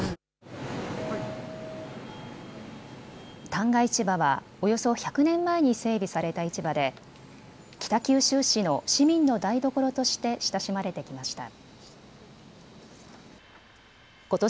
旦過市場はおよそ１００年前に整備された市場で北九州市の市民の台所として親しまれてきました。